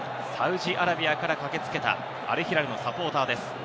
サウジアラビアから駆けつけたアルヒラルのサポーターです。